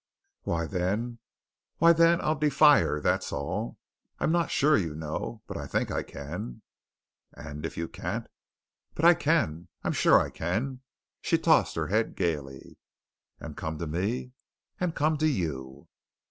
"Why, then why, then I'll defy her, that's all. I'm not sure, you know. But I think I can." "And if you can't?" "But I can. I'm sure I can." She tossed her head gaily. "And come to me?" "And come to you."